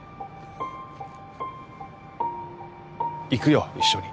行くよ一緒に